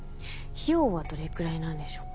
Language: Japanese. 費用はどれくらいなんでしょうか？